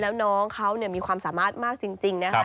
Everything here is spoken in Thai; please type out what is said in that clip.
แล้วน้องเขามีความสามารถมากจริงนะครับ